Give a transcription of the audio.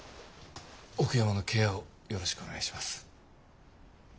奥山のケアをよろしくお願いします。